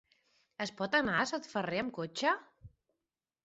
Es pot anar a Sot de Ferrer amb cotxe?